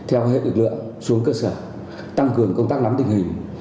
hệ lực lượng xuống cơ sở tăng cường công tác lắm tình hình